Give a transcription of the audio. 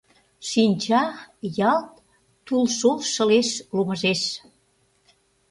Шинча — ялт тулшол шылеш ломыжеш.